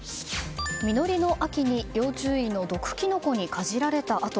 実りの秋に要注意の毒キノコにかじられた跡。